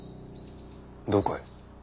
どこへ？